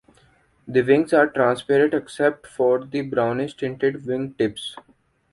The wings are transparent except for the brownish tinted wing tips.